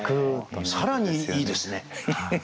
更にいいですね。